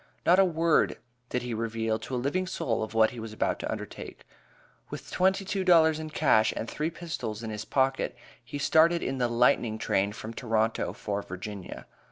Not a word did he reveal to a living soul of what he was about to undertake. With "twenty two dollars" in cash and "three pistols" in his pockets, he started in the lightning train from Toronto for Virginia.